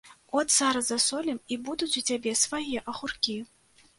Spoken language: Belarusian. От зараз засолім, і будуць у цябе свае агуркі.